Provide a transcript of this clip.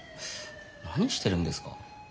何してるんですか？